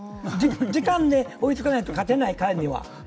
時間で追いつかないと勝てない、彼には。